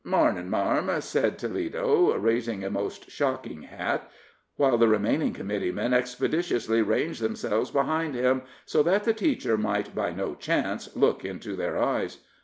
"Mornin', marm," said Toledo, raising a most shocking hat, while the remaining committee men expeditiously ranged themselves behind him, so that the teacher might by no chance look into their eyes.